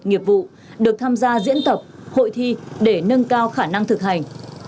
nghiệp vụ được tham gia diễn tập hội thi để nâng cao khả năng thực hành